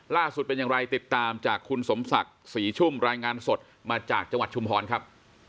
ล่าสุดเป็นอย่างไรติดตามจากคุณสมศักดิ์ศรีชุ่มรายงานสดมาจากจังหวัดชุมพรครับ